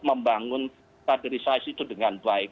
membangun kaderisasi itu dengan baik